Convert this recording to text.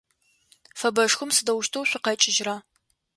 Фэбэшхом сыдэущтэу шъухэкIыжьрэ?